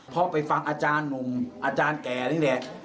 เพราะไปฟังอาจารย์หนุ่มอาจารย์แก่นี่แหละ